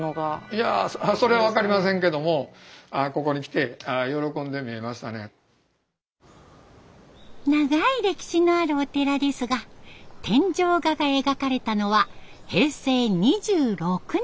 いやそれは分かりませんけどもここに来て長い歴史のあるお寺ですが天井画が描かれたのは平成２６年。